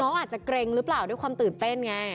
อาจจะเกร็งหรือเปล่าด้วยความตื่นเต้นไง